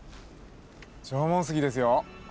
縄文杉ですよ。